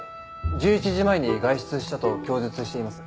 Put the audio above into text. １１時前に外出したと供述しています。